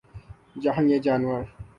جہاں یہ جانور